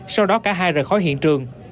sau đó cả hai rời khỏi hiện trường